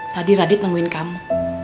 tadi radit nungguin kamu